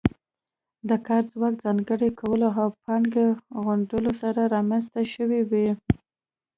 د کاري ځواک ځانګړي کولو او پانګې غونډولو سره رامنځته شوې وه